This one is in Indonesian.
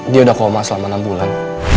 dia udah koma selama enam bulan